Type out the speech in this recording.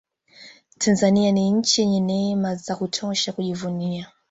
tanzania ni nchi yenye neema za kutosha kujivunia